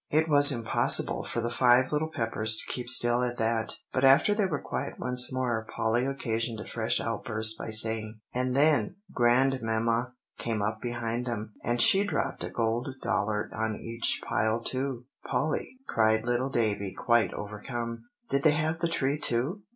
It was impossible for the Five Little Peppers to keep still at that; but after they were quiet once more, Polly occasioned a fresh outburst by saying, "And then Grandmamma came up behind them, and she dropped a gold dollar on each pile too." "Polly," cried little Davie, quite overcome, "did they have the tree too?"